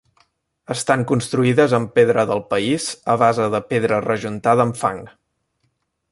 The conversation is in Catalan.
Estan construïdes amb pedra del país, a base de pedra rejuntada amb fang.